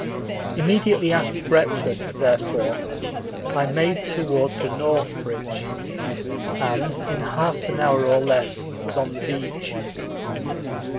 Immediately after breakfast, therefore, I made toward the north bridge, and in half an hour or less was on the beach.